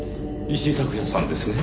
石井琢也さんですね？